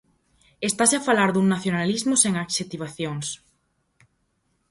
Estase a falar dun nacionalismo sen adxectivacións